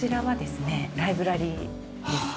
ライブラリーですね。